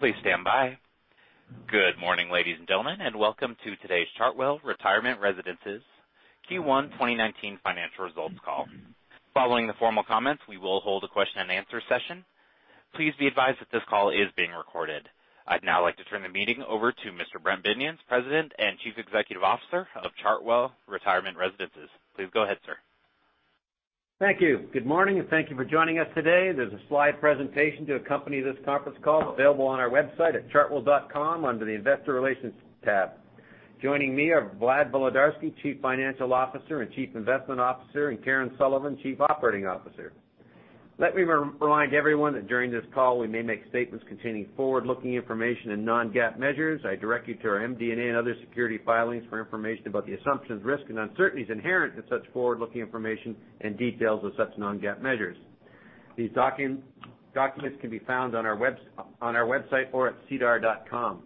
Please stand by. Good morning, ladies and gentlemen, welcome to today's Chartwell Retirement Residences Q1 2019 financial results call. Following the formal comments, we will hold a question and answer session. Please be advised that this call is being recorded. I'd now like to turn the meeting over to Mr. Brent Binions, President and Chief Executive Officer of Chartwell Retirement Residences. Please go ahead, sir. Thank you. Good morning, thank you for joining us today. There's a slide presentation to accompany this conference call available on our website at chartwell.com under the investor relations tab. Joining me are Vlad Volodarski, Chief Financial Officer and Chief Investment Officer, Karen Sullivan, Chief Operating Officer. Let me remind everyone that during this call, we may make statements containing forward-looking information and non-GAAP measures. I direct you to our MD&A and other security filings for information about the assumptions, risks, and uncertainties inherent in such forward-looking information and details of such non-GAAP measures. These documents can be found on our website or at sedar.com.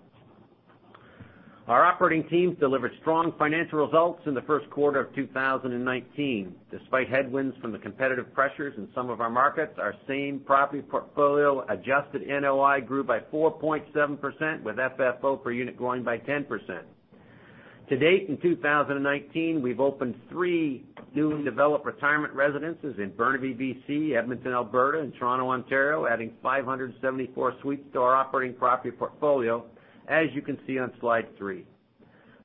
Our operating teams delivered strong financial results in the first quarter of 2019. Despite headwinds from the competitive pressures in some of our markets, our same property portfolio adjusted NOI grew by 4.7%, with FFO per unit growing by 10%. To date, in 2019, we've opened three new developed retirement residences in Burnaby, BC, Edmonton, Alberta, and Toronto, Ontario, adding 574 suites to our operating property portfolio, as you can see on slide three.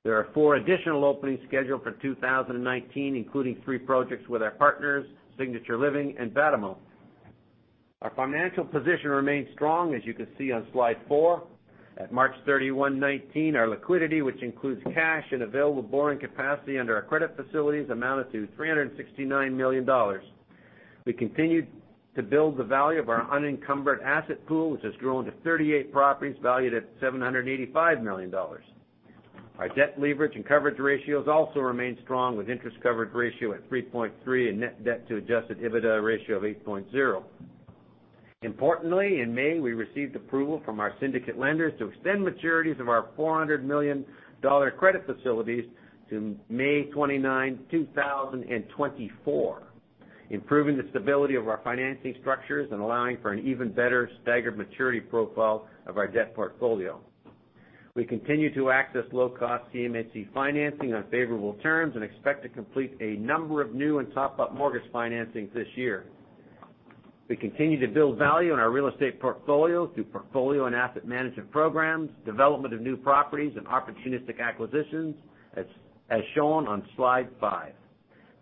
There are four additional openings scheduled for 2019, including three projects with our partners, Signature Living and Batimo. Our financial position remains strong, as you can see on slide four. At March 31, 2019, our liquidity, which includes cash and available borrowing capacity under our credit facilities, amounted to 369 million dollars. We continued to build the value of our unencumbered asset pool, which has grown to 38 properties valued at 785 million dollars. Our debt leverage and coverage ratios also remain strong, with interest coverage ratio at 3.3 and net debt to adjusted EBITDA ratio of 8.0. Importantly, in May, we received approval from our syndicate lenders to extend maturities of our 400 million dollar credit facilities to May 29, 2024, improving the stability of our financing structures and allowing for an even better staggered maturity profile of our debt portfolio. We continue to access low-cost CMHC financing on favorable terms and expect to complete a number of new and top-up mortgage financings this year. We continue to build value in our real estate portfolio through portfolio and asset management programs, development of new properties, and opportunistic acquisitions, as shown on slide five.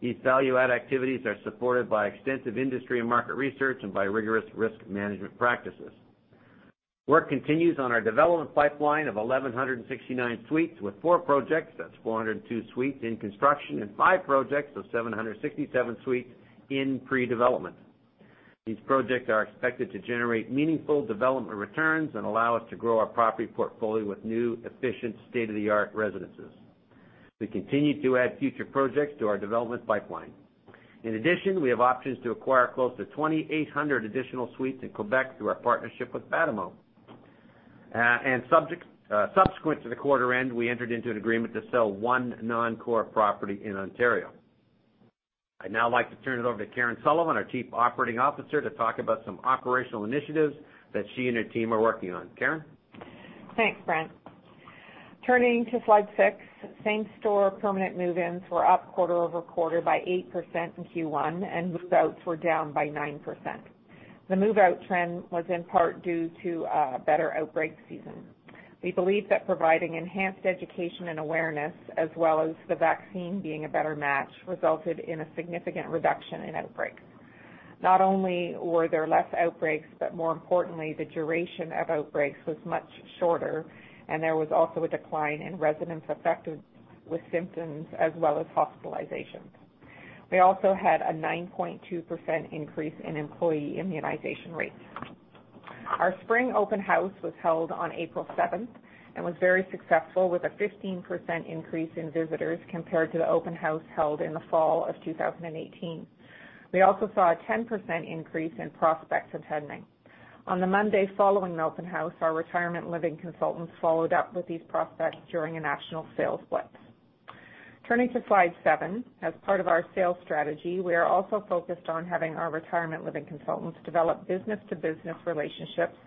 These value-add activities are supported by extensive industry and market research and by rigorous risk management practices. Work continues on our development pipeline of 1,169 suites, with four projects, that's 402 suites, in construction, five projects, so 767 suites, in pre-development. These projects are expected to generate meaningful development returns and allow us to grow our property portfolio with new, efficient, state-of-the-art residences. We continue to add future projects to our development pipeline. In addition, we have options to acquire close to 2,800 additional suites in Quebec through our partnership with Batimo. Subsequent to the quarter end, we entered into an agreement to sell one non-core property in Ontario. I'd now like to turn it over to Karen Sullivan, our Chief Operating Officer, to talk about some operational initiatives that she and her team are working on. Karen? Thanks, Brent. Turning to slide six, same-store permanent move-ins were up quarter-over-quarter by 8% in Q1, and move-outs were down by 9%. The move-out trend was in part due to a better outbreak season. We believe that providing enhanced education and awareness, as well as the vaccine being a better match, resulted in a significant reduction in outbreaks. Not only were there less outbreaks, but more importantly, the duration of outbreaks was much shorter, and there was also a decline in residents affected with symptoms, as well as hospitalizations. We also had a 9.2% increase in employee immunization rates. Our spring open house was held on April 7th and was very successful, with a 15% increase in visitors compared to the open house held in the fall of 2018. We also saw a 10% increase in prospects attending. On the Monday following the open house, our retirement living consultants followed up with these prospects during a national sales blitz. Turning to slide seven. As part of our sales strategy, we are also focused on having our retirement living consultants develop business-to-business relationships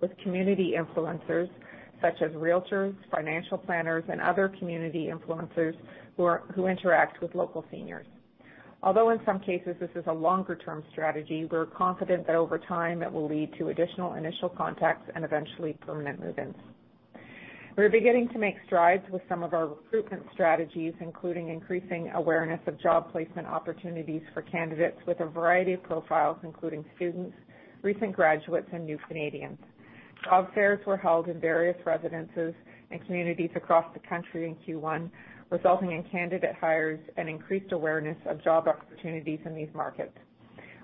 with community influencers such as realtors, financial planners, and other community influencers who interact with local seniors. Although in some cases this is a longer-term strategy, we're confident that over time, it will lead to additional initial contacts and eventually permanent move-ins. We're beginning to make strides with some of our recruitment strategies, including increasing awareness of job placement opportunities for candidates with a variety of profiles, including students, recent graduates, and new Canadians. Job fairs were held in various residences and communities across the country in Q1, resulting in candidate hires and increased awareness of job opportunities in these markets.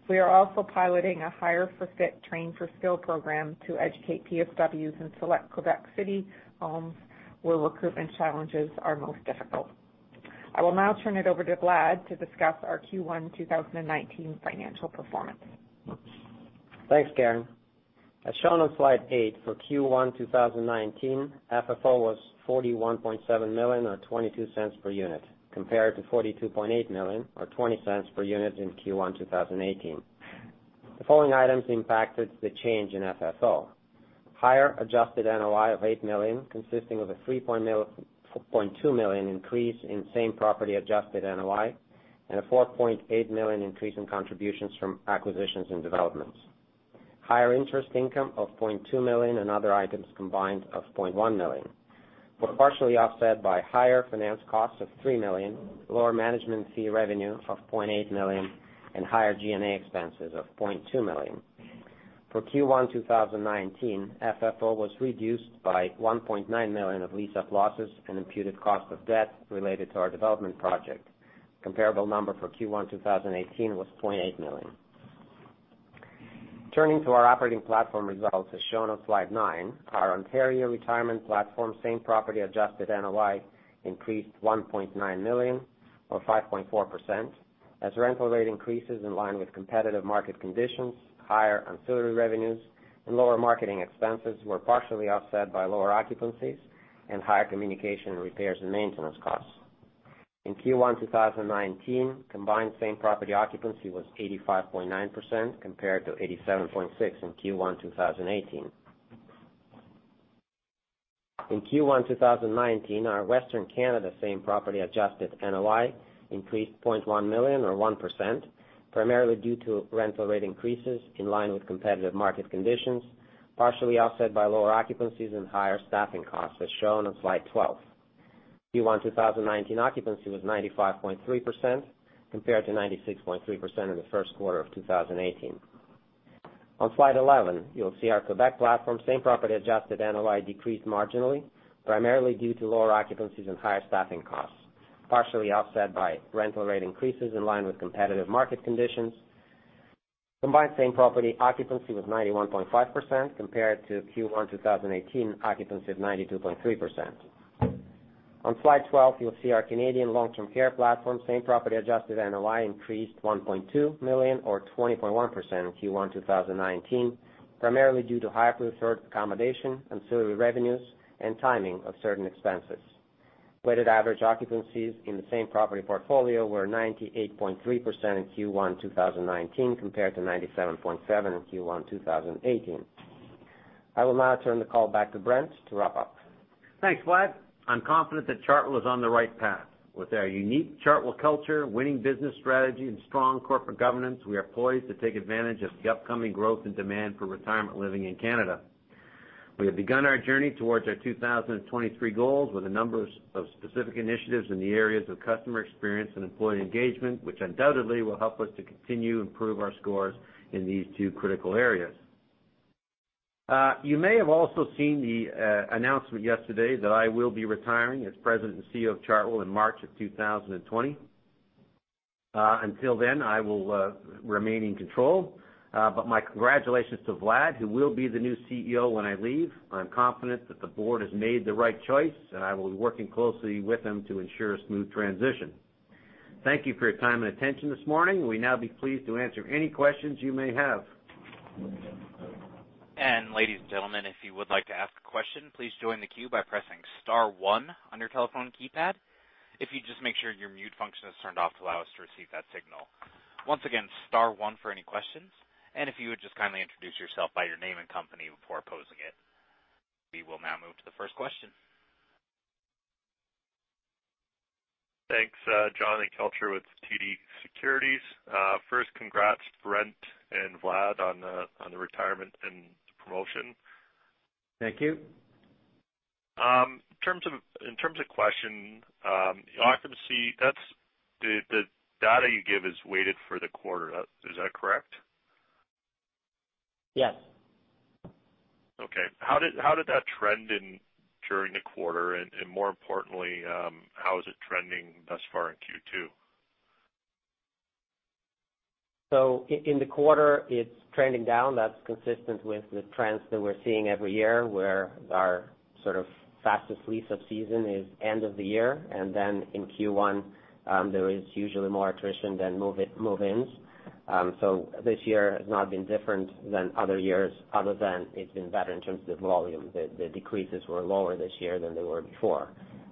We are also piloting a Hire for Fit-Train for Skill program to educate PSWs in select Quebec City homes where recruitment challenges are most difficult. I will now turn it over to Vlad to discuss our Q1 2019 financial performance. Thanks, Karen. As shown on slide eight for Q1 2019, FFO was 41.7 million or 0.22 per unit, compared to 42.8 million or 0.20 per unit in Q1 2018. The following items impacted the change in FFO. Higher adjusted NOI of 8 million, consisting of a 3.2 million increase in same-property adjusted NOI and a 4.8 million increase in contributions from acquisitions and developments. Higher interest income of 0.2 million and other items combined of 0.1 million, were partially offset by higher finance costs of 3 million, lower management fee revenue of 0.8 million, and higher G&A expenses of 0.2 million. For Q1 2019, FFO was reduced by 1.9 million of lease-up losses and imputed cost of debt related to our development project. Comparable number for Q1 2018 was 0.8 million. Turning to our operating platform results as shown on slide nine, our Ontario retirement platform, same property adjusted NOI increased 1.9 million or 5.4%, as rental rate increases in line with competitive market conditions, higher ancillary revenues, and lower marketing expenses were partially offset by lower occupancies and higher communication repairs and maintenance costs. In Q1 2019, combined same-property occupancy was 85.9%, compared to 87.6% in Q1 2018. In Q1 2019, our Western Canada same property adjusted NOI increased 0.1 million or 1%, primarily due to rental rate increases in line with competitive market conditions, partially offset by lower occupancies and higher staffing costs, as shown on slide 12. Q1 2019 occupancy was 95.3%, compared to 96.3% in the first quarter of 2018. On slide 11, you'll see our Quebec platform same property adjusted NOI decreased marginally, primarily due to lower occupancies and higher staffing costs, partially offset by rental rate increases in line with competitive market conditions. Combined same-property occupancy was 91.5%, compared to Q1 2018 occupancy of 92.3%. On slide 12, you'll see our Canadian long-term care platform, same property adjusted NOI increased 1.2 million or 20.1% in Q1 2019, primarily due to higher preferred accommodation, ancillary revenues, and timing of certain expenses. Weighted average occupancies in the same property portfolio were 98.3% in Q1 2019 compared to 97.7% in Q1 2018. I will now turn the call back to Brent to wrap up. Thanks, Vlad. I'm confident that Chartwell is on the right path. With our unique Chartwell culture, winning business strategy, and strong corporate governance, we are poised to take advantage of the upcoming growth and demand for retirement living in Canada. We have begun our journey towards our 2023 goals with a number of specific initiatives in the areas of customer experience and employee engagement, which undoubtedly will help us to continue improve our scores in these two critical areas. You may have also seen the announcement yesterday that I will be retiring as President and CEO of Chartwell in March of 2020. Until then, I will remain in control. My congratulations to Vlad, who will be the new CEO when I leave. I'm confident that the board has made the right choice, and I will be working closely with him to ensure a smooth transition. Thank you for your time and attention this morning. We'll now be pleased to answer any questions you may have. Ladies and gentlemen, if you would like to ask a question, please join the queue by pressing star one on your telephone keypad. If you'd just make sure your mute function is turned off to allow us to receive that signal. Once again, star one for any questions, and if you would just kindly introduce yourself by your name and company before posing it. We will now move to the first question. Thanks. Jonathan Kelcher with TD Securities. First congrats, Brent and Vlad, on the retirement and promotion. Thank you. In terms of question, the occupancy, the data you give is weighted for the quarter. Is that correct? Yes. Okay. How did that trend during the quarter, and more importantly, how is it trending thus far in Q2? In the quarter, it's trending down. That's consistent with the trends that we're seeing every year, where our sort of fastest lease of season is end of the year, and then in Q1, there is usually more attrition than move-ins. This year has not been different than other years other than it's been better in terms of volume. The decreases were lower this year than they were before.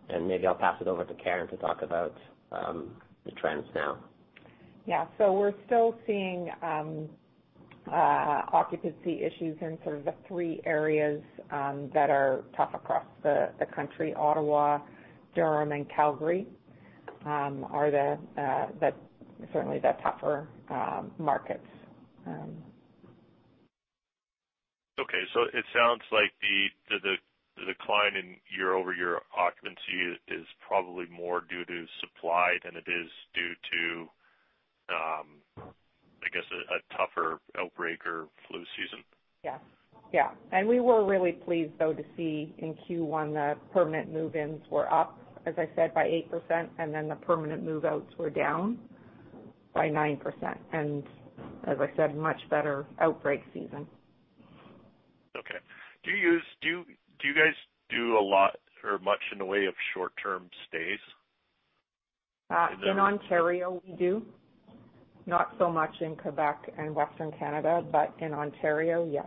Maybe I'll pass it over to Karen to talk about the trends now. Yeah. We're still seeing occupancy issues in sort of the three areas that are tough across the country. Ottawa, Durham, and Calgary are certainly the tougher markets. Okay, it sounds like the decline in year-over-year occupancy is probably more due to supply than it is due to, I guess, a tougher outbreak or flu season. Yeah. We were really pleased, though, to see in Q1 the permanent move-ins were up, as I said, by 8%, the permanent move-outs were down by 9%. As I said, much better outbreak season. Okay. Do you guys do a lot or much in the way of short-term stays? In Ontario, we do. Not so much in Quebec and Western Canada, in Ontario, yes.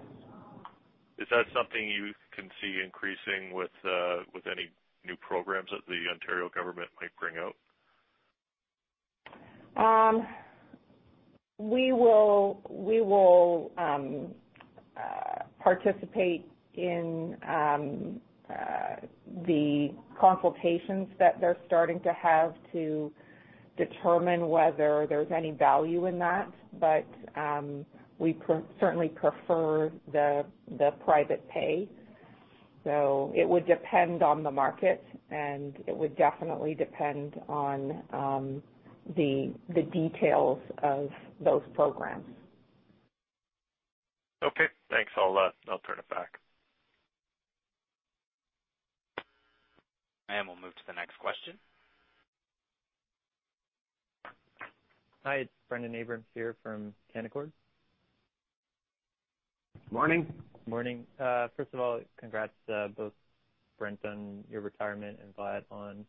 Is that something you can see increasing with any new programs that the Ontario government might bring out? We will participate in the consultations that they're starting to have to determine whether there's any value in that. We certainly prefer the private pay. It would depend on the market, and it would definitely depend on the details of those programs. Okay, thanks. I'll turn it back. We'll move to the next question. Hi, it's Brendon Abrams here from Canaccord. Morning. Morning. First of all, congrats both Brent on your retirement and Vlad on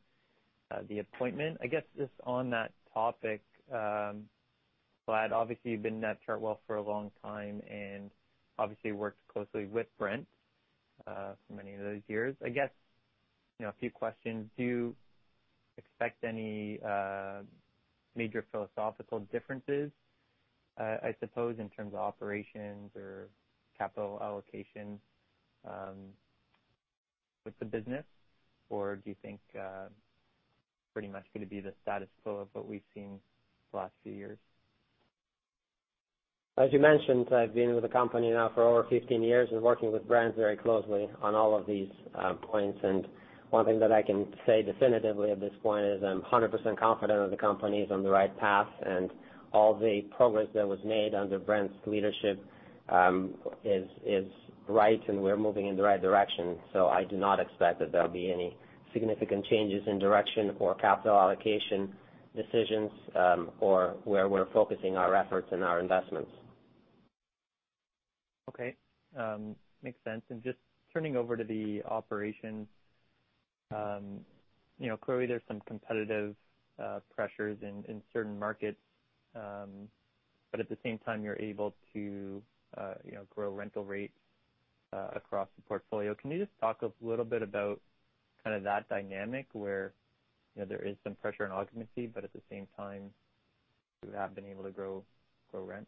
the appointment. I guess just on that topic, Vlad, obviously, you've been at Chartwell for a long time, and obviously worked closely with Brent for many of those years. I guess, a few questions. Do you expect any major philosophical differences, I suppose, in terms of operations or capital allocation with the business? Do you think pretty much going to be the status quo of what we've seen the last few years? As you mentioned, I've been with the company now for over 15 years and working with Brent very closely on all of these points. One thing that I can say definitively at this point is I'm 100% confident that the company is on the right path, and all the progress that was made under Brent's leadership is right, and we're moving in the right direction. I do not expect that there'll be any significant changes in direction or capital allocation decisions, or where we're focusing our efforts and our investments. Okay. Makes sense. Just turning over to the operations. Clearly, there is some competitive pressures in certain markets. At the same time, you are able to grow rental rates across the portfolio. Can you just talk a little bit about that dynamic where there is some pressure on occupancy, at the same time, you have been able to grow rent?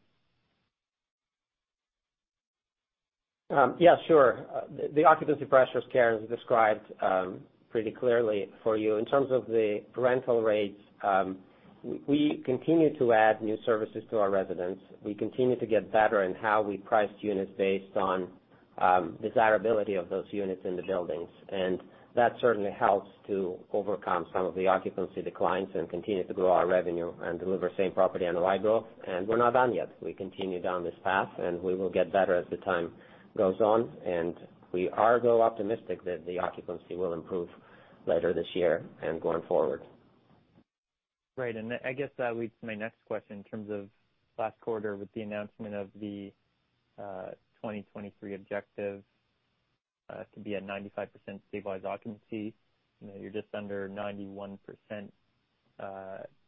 Yeah, sure. The occupancy pressures, Karen, as described pretty clearly for you. In terms of the rental rates, we continue to add new services to our residents. We continue to get better in how we price units based on desirability of those units in the buildings. That certainly helps to overcome some of the occupancy declines and continue to grow our revenue and deliver same property NOI growth. We're not done yet. We continue down this path, and we will get better as the time goes on. We are though optimistic that the occupancy will improve later this year and going forward. Right. I guess that leads to my next question in terms of last quarter with the announcement of the 2023 objective to be at 95% stabilized occupancy. You're just under 91%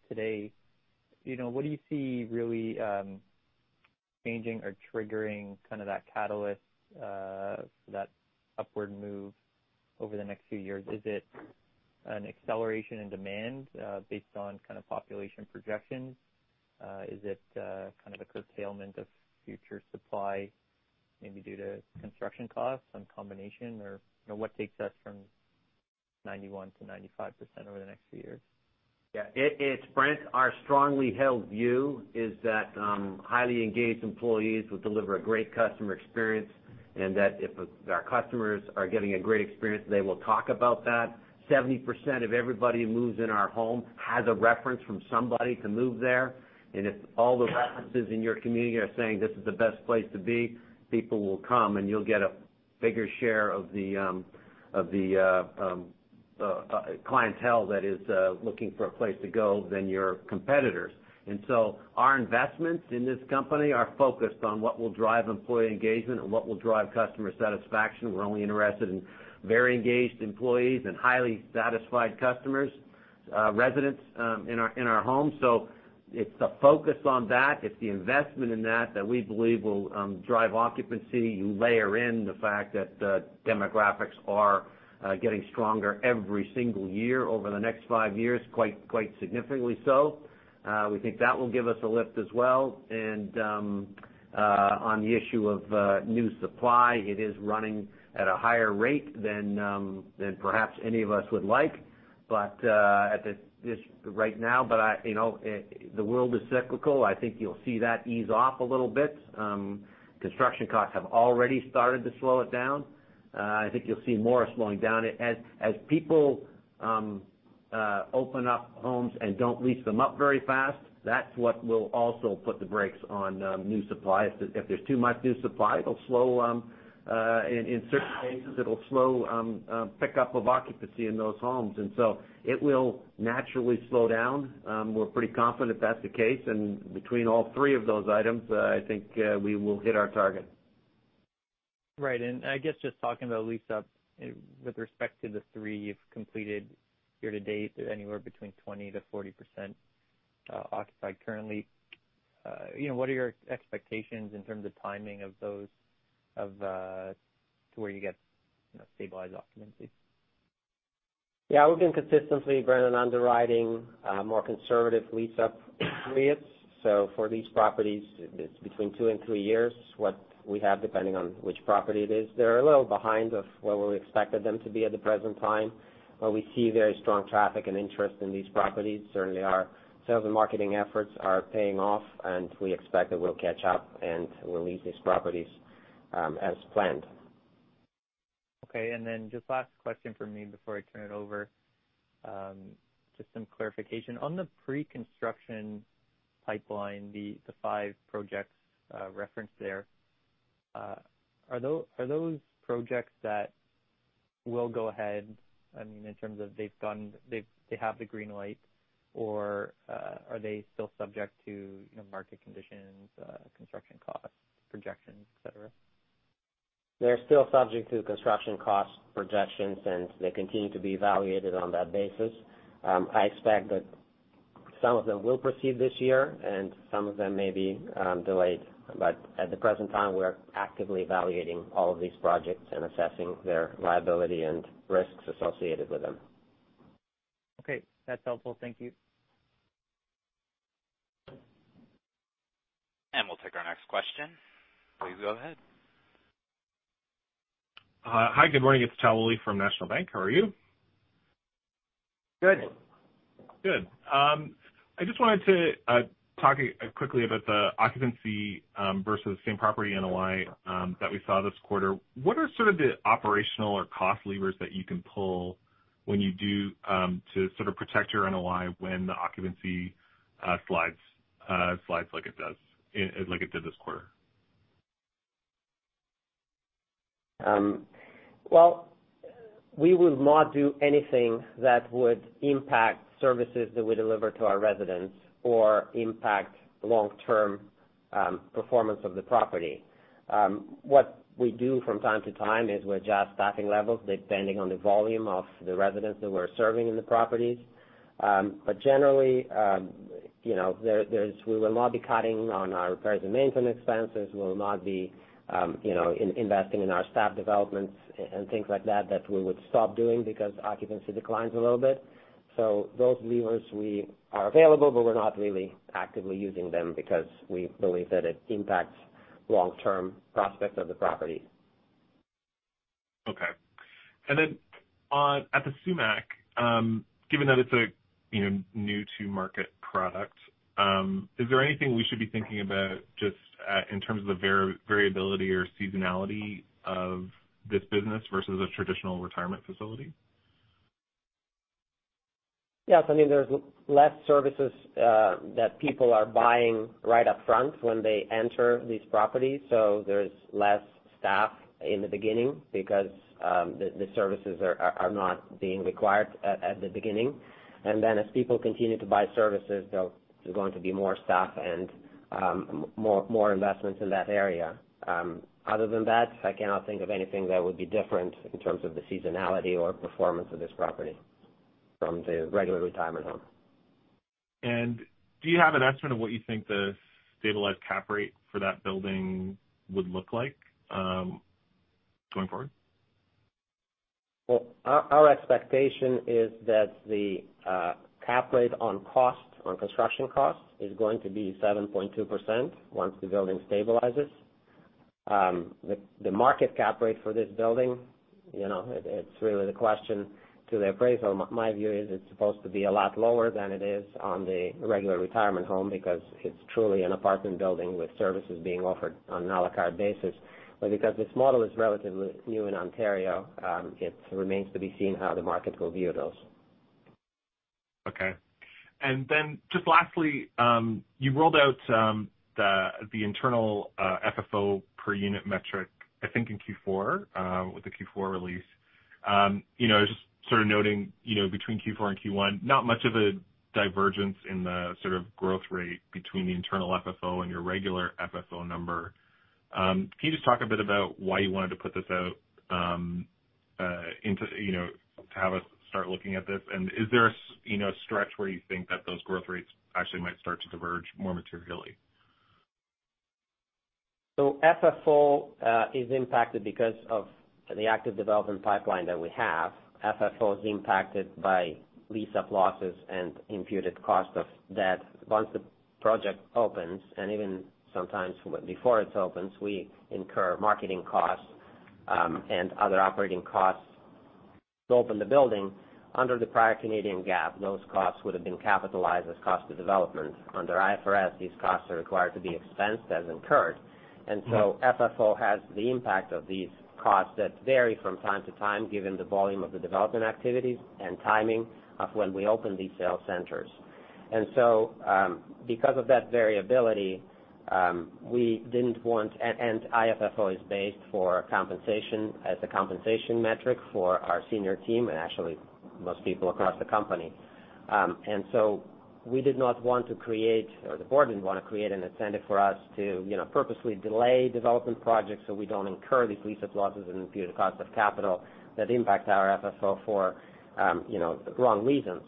today. What do you see really changing or triggering that catalyst for that upward move over the next few years? Is it an acceleration in demand based on population projections? Is it a curtailment of future supply maybe due to construction costs, some combination, or what takes us from 91%-95% over the next few years? Yeah. It's Brent. Our strongly held view is that highly engaged employees will deliver a great customer experience, that if our customers are getting a great experience, they will talk about that. 70% of everybody who moves in our home has a reference from somebody to move there. If all the references in your community are saying, "This is the best place to be," people will come, you'll get a bigger share of the clientele that is looking for a place to go than your competitors. Our investments in this company are focused on what will drive employee engagement and what will drive customer satisfaction. We're only interested in very engaged employees and highly satisfied customers, residents in our home. It's the focus on that, it's the investment in that we believe will drive occupancy. You layer in the fact that demographics are getting stronger every single year over the next five years, quite significantly so. We think that will give us a lift as well. On the issue of new supply, it is running at a higher rate than perhaps any of us would like right now, the world is cyclical. I think you'll see that ease off a little bit. Construction costs have already started to slow it down. I think you'll see more slowing down. As people open up homes and don't lease them up very fast, that's what will also put the brakes on new supply. If there's too much new supply, in certain cases, it'll slow pickup of occupancy in those homes. So it will naturally slow down. We're pretty confident that's the case, between all three of those items, I think we will hit our target. Right. I guess just talking about lease-up with respect to the three you've completed year to date, anywhere between 20%-40% occupied currently. What are your expectations in terms of timing of those to where you get stabilized occupancy? Yeah. We've been consistently, Brendon, underwriting more conservative lease-up periods. For these properties, it's between two and three years, what we have, depending on which property it is. They're a little behind of where we expected them to be at the present time, we see very strong traffic and interest in these properties. Certainly, our sales and marketing efforts are paying off, we expect that we'll catch up, and we'll lease these properties as planned. Okay. Then just last question from me before I turn it over. Just some clarification. On the pre-construction pipeline, the five projects referenced there, are those projects that will go ahead, in terms of they have the green light, or are they still subject to market conditions, construction costs, projections, et cetera? They're still subject to construction cost projections. They continue to be evaluated on that basis. I expect that some of them will proceed this year, and some of them may be delayed. At the present time, we're actively evaluating all of these projects and assessing their viability and risks associated with them. Okay. That's helpful. Thank you. We'll take our next question. Please go ahead. Hi, good morning. It's Tal Woolley from National Bank. How are you? Good. Good. I just wanted to talk quickly about the occupancy versus same property NOI that we saw this quarter. What are sort of the operational or cost levers that you can pull when you do to sort of protect your NOI when the occupancy slides like it did this quarter? Well, we would not do anything that would impact services that we deliver to our residents or impact long-term performance of the property. What we do from time to time is we adjust staffing levels, depending on the volume of the residents that we're serving in the properties. Generally, we will not be cutting on our repairs and maintenance expenses. We will not be investing in our staff developments and things like that we would stop doing because occupancy declines a little bit. Those levers are available, but we're not really actively using them because we believe that it impacts long-term prospects of the property. Okay. At The Sumach, given that it's a new-to-market product, is there anything we should be thinking about just in terms of the variability or seasonality of this business versus a traditional retirement facility? Yes. There's less services that people are buying right up front when they enter these properties, so there's less staff in the beginning because the services are not being required at the beginning. Then as people continue to buy services, there's going to be more staff and more investments in that area. Other than that, I cannot think of anything that would be different in terms of the seasonality or performance of this property from the regular retirement home. Do you have an estimate of what you think the stabilized cap rate for that building would look like going forward? Well, our expectation is that the cap rate on construction cost is going to be 7.2% once the building stabilizes. The market cap rate for this building, it's really the question to the appraisal. My view is it's supposed to be a lot lower than it is on the regular retirement home because it's truly an apartment building with services being offered on an à la carte basis. Because this model is relatively new in Ontario, it remains to be seen how the market will view those. Okay. Then just lastly, you rolled out the internal FFO per unit metric, I think in Q4 with the Q4 release. Just sort of noting, between Q4 and Q1, not much of a divergence in the sort of growth rate between the internal FFO and your regular FFO number. Can you just talk a bit about why you wanted to put this out to have us start looking at this? Is there a stretch where you think that those growth rates actually might start to diverge more materially? FFO is impacted because of the active development pipeline that we have. FFO is impacted by lease-up losses and imputed cost of debt. Once the project opens, and even sometimes before it opens, we incur marketing costs and other operating costs to open the building. Under the prior Canadian GAAP, those costs would've been capitalized as cost of development. Under IFRS, these costs are required to be expensed as incurred. FFO has the impact of these costs that vary from time to time, given the volume of the development activities and timing of when we open these sales centers. IFFO is based for compensation as a compensation metric for our senior team, and actually most people across the company. We did not want to create, or the board didn't want to create an incentive for us to purposely delay development projects so we don't incur these lease-up losses and imputed cost of capital that impact our FFO for the wrong reasons.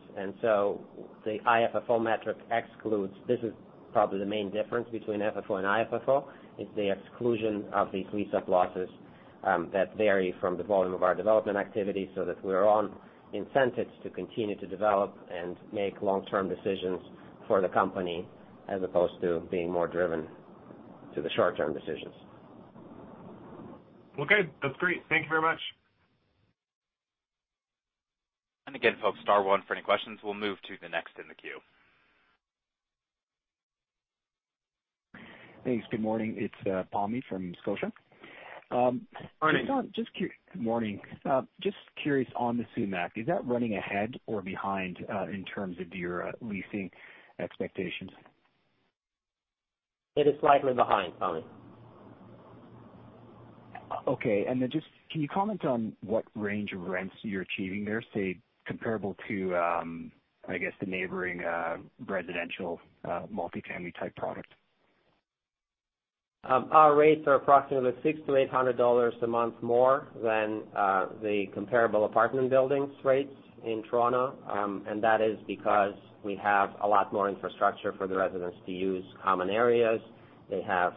The IFFO metric excludes, this is probably the main difference between FFO and IFFO, is the exclusion of these lease-up losses that vary from the volume of our development activity, so that we're on incentives to continue to develop and make long-term decisions for the company, as opposed to being more driven to the short-term decisions. Okay. That's great. Thank you very much. Again, folks, star one for any questions. We'll move to the next in the queue. Thanks. Good morning. It is Pammi from Scotiabank. Morning. Good morning. Just curious on the Sumach, is that running ahead or behind, in terms of your leasing expectations? It is slightly behind, Pammi. Okay. Just can you comment on what range of rents you are achieving there, say comparable to, I guess, the neighboring residential multifamily type product? Our rates are approximately 600-800 dollars a month more than the comparable apartment buildings rates in Toronto. That is because we have a lot more infrastructure for the residents to use common areas. They have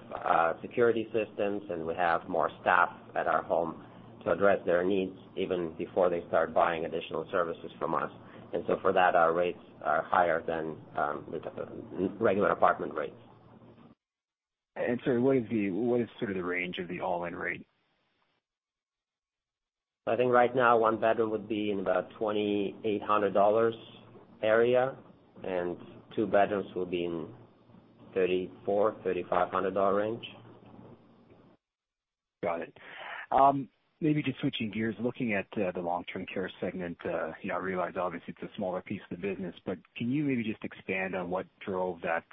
security systems, and we have more staff at our home to address their needs even before they start buying additional services from us. So for that, our rates are higher than the regular apartment rates. Sorry, what is sort of the range of the all-in rate? I think right now one bedroom would be in about 2,800 dollars area, and two bedrooms will be in 3,400-3,500 dollar range. Got it. Maybe just switching gears, looking at the long-term care segment, I realize obviously it is a smaller piece of the business, but can you maybe just expand on what drove that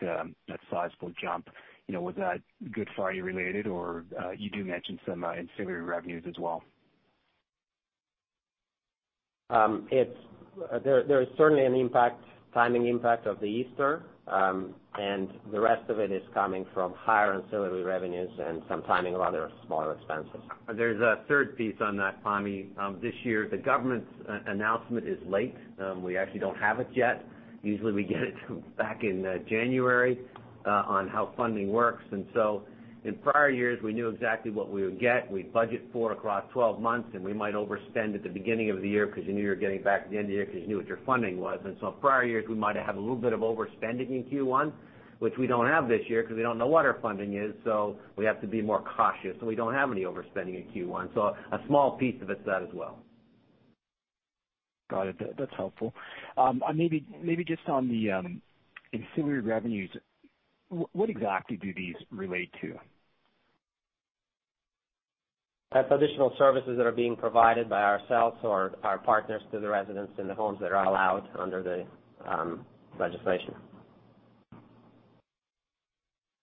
sizable jump? Was that Good Friday related, or you do mention some ancillary revenues as well? There is certainly a timing impact of the Easter. The rest of it is coming from higher ancillary revenues and some timing of other smaller expenses. There's a third piece on that, Pammi. This year, the government's announcement is late. We actually don't have it yet. Usually, we get it back in January, on how funding works. In prior years, we knew exactly what we would get. We'd budget for it across 12 months, and we might overspend at the beginning of the year because you knew you were getting back at the end of the year because you knew what your funding was. In prior years, we might have had a little bit of overspending in Q1, which we don't have this year because we don't know what our funding is, so we have to be more cautious, so we don't have any overspending in Q1. A small piece of it's that as well. Got it. That's helpful. Maybe just on the ancillary revenues, what exactly do these relate to? That's additional services that are being provided by ourselves or our partners to the residents in the homes that are allowed under the legislation.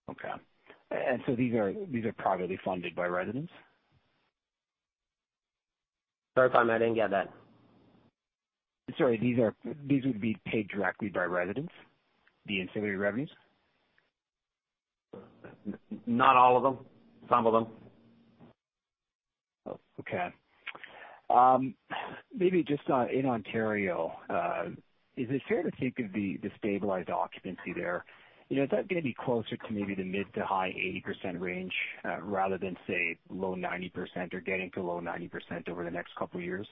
Okay. These are privately funded by residents? Sorry, Pammi, I didn't get that. Sorry, these would be paid directly by residents, the ancillary revenues? Not all of them. Some of them. Okay. Maybe just in Ontario, is it fair to think of the stabilized occupancy there, is that going to be closer to maybe the mid to high 80% range, rather than, say, low 90% or getting to low 90% over the next couple of years?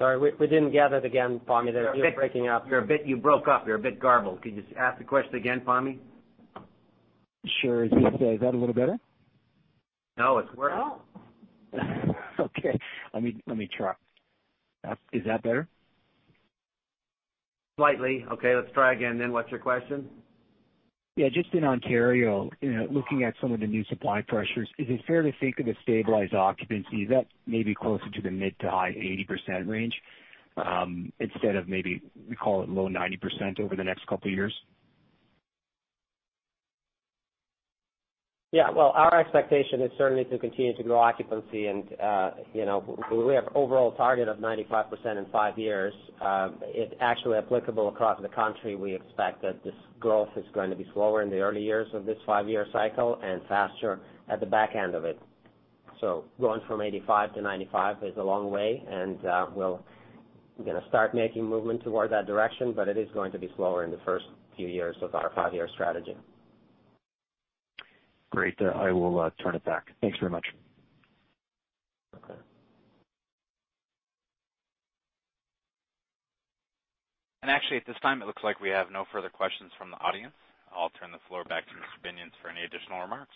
Sorry, we didn't get it again, Pammi. You're breaking up. You broke up. You're a bit garbled. Can you just ask the question again, Pammi? Sure. Is that a little better? No, it's worse. Okay. Let me try. Is that better? Slightly. Okay, let's try again. What's your question? Yeah, just in Ontario, looking at some of the new supply pressures, is it fair to think of a stabilized occupancy, is that maybe closer to the mid to high 80% range, instead of maybe, we call it low 90% over the next couple of years? Yeah. Our expectation is certainly to continue to grow occupancy and we have overall target of 95% in five years. It is actually applicable across the country. We expect that this growth is going to be slower in the early years of this five-year cycle and faster at the back end of it. Going from 85 to 95 is a long way, and we are going to start making movement toward that direction, but it is going to be slower in the first few years of our five-year strategy. Great. I will turn it back. Thanks very much. Okay. Actually, at this time, it looks like we have no further questions from the audience. I will turn the floor back to Mr. Binions for any additional remarks.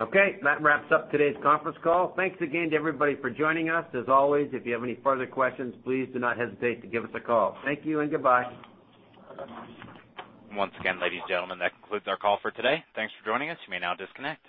Okay. That wraps up today's conference call. Thanks again to everybody for joining us. As always, if you have any further questions, please do not hesitate to give us a call. Thank you, and goodbye. Once again, ladies and gentlemen, that concludes our call for today. Thanks for joining us. You may now disconnect.